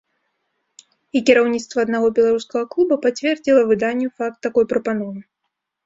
І кіраўніцтва аднаго беларускага клуба пацвердзіла выданню факт такой прапановы.